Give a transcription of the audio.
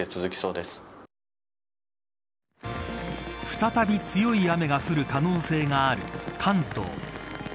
再び強い雨が降る可能性がある関東。